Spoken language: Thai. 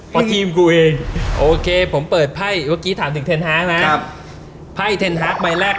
พอครีมกูเองโอเคผมเปิดไพ่เวื่อกี้ถามถึงนะครับ